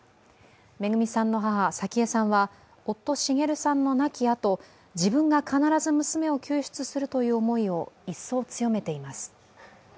めぐみさんの母、早紀江さんは夫、滋さんの亡きあと、自分が必ず娘を救出するという思いを一層強めています。